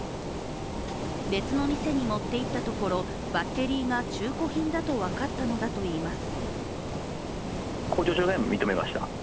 別の店に持っていったところ、バッテリーが中古品だと分かったのだといいます。